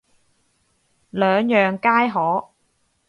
兩樣皆可